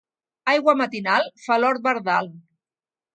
Aigua matinal fa l'hort verdal.